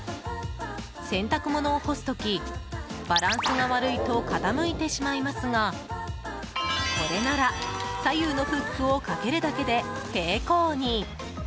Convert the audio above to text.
洗濯物を干す時バランスが悪いと傾いてしまいますがこれなら左右のフックをかけるだけで平行に。